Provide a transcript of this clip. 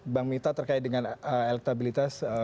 bang mita terkait dengan elektabilitas